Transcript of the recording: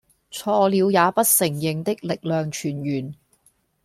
錯了也不承認的力量泉源